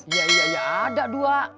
ya ya ya ada dua